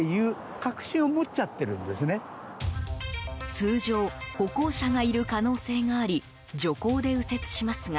通常歩行者がいる可能性があり徐行で右折しますが